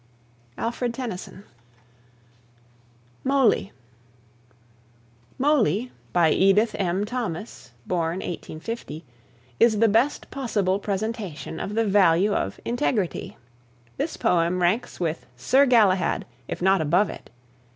ALFRED TENNYSON. MOLY. "Moly" (mo'ly), by Edith M. Thomas (1850 ), in the best possible presentation of the value of integrity. This poem ranks with "Sir Galahad," if not above it.